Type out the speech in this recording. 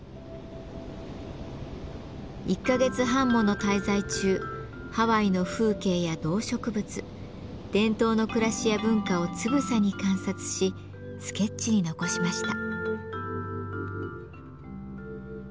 １か月半もの滞在中ハワイの風景や動植物伝統の暮らしや文化をつぶさに観察しスケッチに残しました。